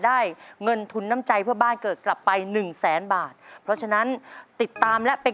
ได้เงินทุนน้ำใจเพื่อบ้านเกิดกลับไปหนึ่งแสนบาทเพราะฉะนั้นติดตามและเป็น